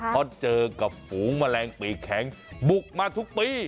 เพราะเจอกับฝูงแมลงปีกแข็งบุกมาทุกปี